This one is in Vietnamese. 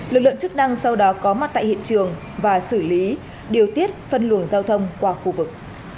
lực lượng chức năng sau đó có mặt tại hiện trường và xử lý điều tiết phân luồng giao thông qua khu vực